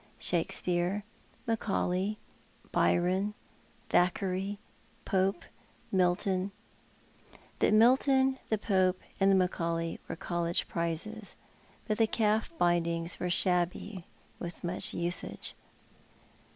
Shakespeare, Macaulay, Byron, Thackeray, Pope, ]\Iiltou. The Milton, t!ic Pope, and the Macaulay wore college prizes; but the calf bindings were shabby with much usage.